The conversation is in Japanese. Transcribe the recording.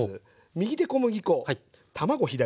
右手小麦粉卵左手。